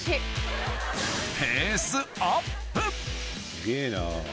すげぇな。